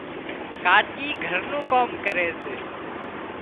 ڪاچي گھر نُون ڪام ڪري سي